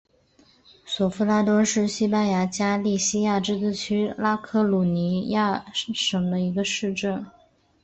索夫拉多是西班牙加利西亚自治区拉科鲁尼亚省的一个市镇。